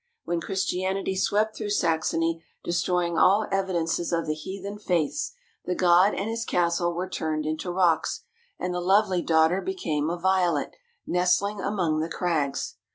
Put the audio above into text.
When Christianity swept through Saxony, destroying all evidences of the heathen faiths, the god and his castle were turned into rocks, and the lovely daughter became a Violet, nestling among the crags.